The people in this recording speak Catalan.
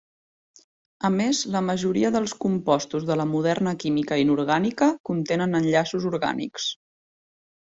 A més la majoria dels compostos de la moderna química inorgànica contenen enllaços orgànics.